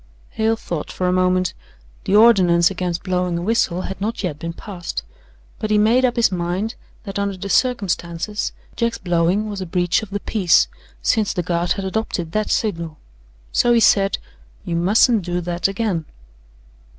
Hale thought for a moment. The ordinance against blowing a whistle had not yet been passed, but he made up his mind that, under the circumstances, Jack's blowing was a breach of the peace, since the Guard had adopted that signal. So he said: "You mustn't do that again."